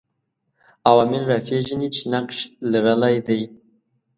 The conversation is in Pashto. عوامل راپېژني چې نقش لرلای دی